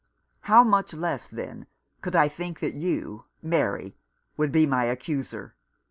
How much less, then, could I think that you, Mary, would be my accuser?